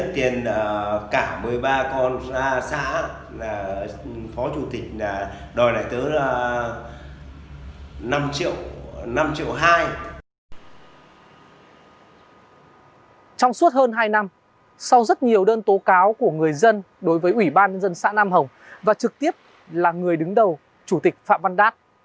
trong suốt hơn hai năm sau rất nhiều đơn tố cáo của người dân đối với ủy ban nhân dân xã nam hồng và trực tiếp là người đứng đầu chủ tịch phạm văn đát